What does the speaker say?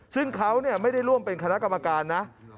ซึ่งเขาไม่ได้ร่วมเป็นคณะกรรมการนะ